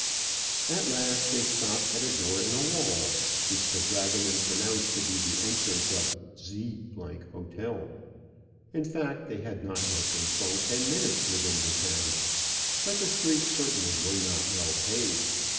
At last they stopped at a door in a wall, which the dragoman pronounced to be the entrance of Z 's hotel. In fact they had not yet been full ten minutes within the town; but the streets certainly were not well paved.